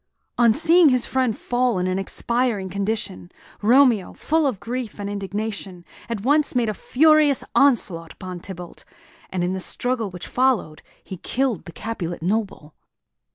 On seeing his friend fall in an expiring condition, Romeo, full of grief and indignation, at once made a furious onslaught upon Tybalt; and in the struggle which followed he killed the Capulet noble.